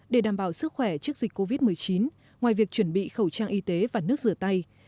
để đảm bảo sức khỏe trước dịch covid một mươi chín ngoài việc chuẩn bị khẩu trang y tế và nước rửa tay